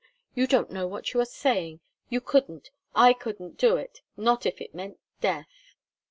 You don't know what you're saying. I couldn't I couldn't do it not if it meant death!"